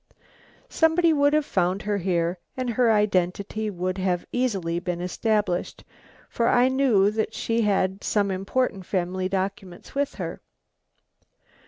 Somebody would have found her here, and her identity would have easily been established, for I knew that she had some important family documents with her."